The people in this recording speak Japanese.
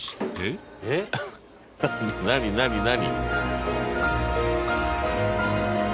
何何何？